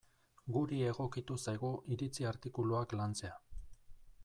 Guri egokitu zaigu iritzi artikuluak lantzea.